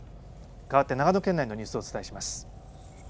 かわって、長野県内のニュースをお伝えします。